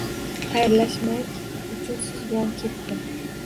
Xayrlashmak uchun siz bilan. Ketdim.